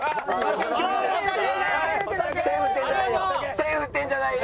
手振ってるんじゃないよ。